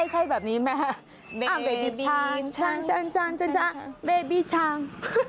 ใช่แบบนี้ไหม